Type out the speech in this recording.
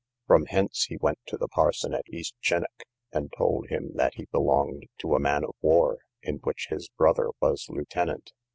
From hence he went to the parson of East Chinock, and told him that he belonged to a man of war, in which his brother was lieutenant.